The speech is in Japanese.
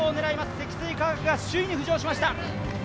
積水化学が首位に浮上しました。